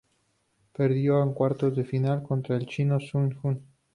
Perdió en cuartos de final contra el chino Sun Jun.